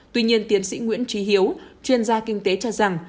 tuy nhiên tiến sĩ nguyễn trí hiếu chuyên gia kinh tế cho rằng